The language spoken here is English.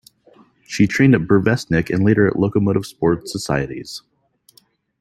She trained at Burevestnik and later at Lokomotiv sports societies.